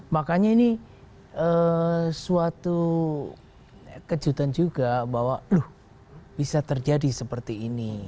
makanya ini suatu kejutan juga bahwa bisa terjadi seperti ini